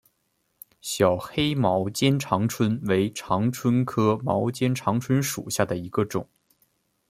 小黑毛肩长蝽为长蝽科毛肩长蝽属下的一个种。